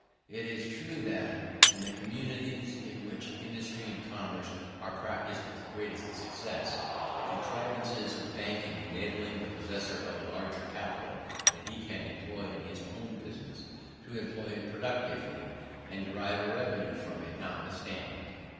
It is true that, in the communities in which industry and commerce are practised with greatest success, the contrivances of banking enable the possessor of a larger capital than he can employ in his own business, to employ it productively and derive a revenue from it notwithstanding.